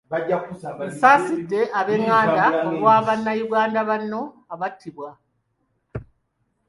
Nsaasidde ab’enganda olwa Bannayuganda bano abattiddwa.